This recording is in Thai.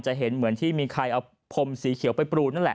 จะเห็นเหมือนมีใครเอาโพมสีเขียวไปปลูดนั่นแหละ